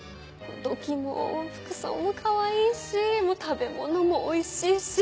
土器も服装もかわいいし食べ物もおいしいし。